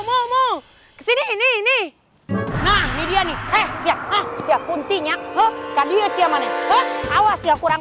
mau kesini ini nah ini dia nih eh siap siap kuntinya kan dia siamannya awas ya kurang